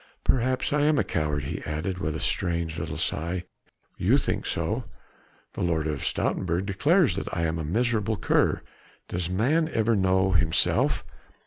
"Perhaps I am a coward," he added with a strange little sigh, "you think so; the Lord of Stoutenburg declares that I am a miserable cur. Does man ever know himself?